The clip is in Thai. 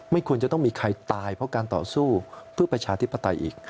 ควรจะต้องมีใครตายเพราะการต่อสู้เพื่อประชาธิปไตยอีก